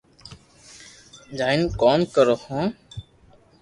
جائين ڪوم ڪرو ھون